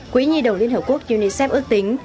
quỹ nhi đồng liên hợp quốc unicef ước tính